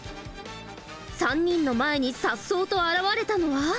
３人の前にさっそうと現れたのは。